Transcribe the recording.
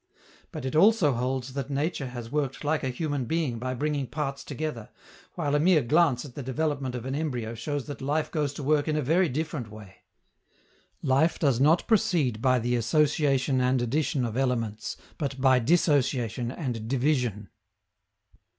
But it also holds that nature has worked like a human being by bringing parts together, while a mere glance at the development of an embryo shows that life goes to work in a very different way. _Life does not proceed by the association and addition of elements, but by dissociation and division.